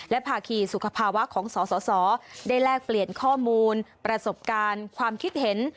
และภาคีสุขภาวะของสสได้แลกเปลี่ยนข้อมูลประสบการณ์ความคิดเห็น